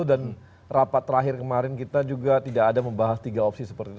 dan rapat terakhir kemarin kita juga tidak ada membahas tiga opsi seperti itu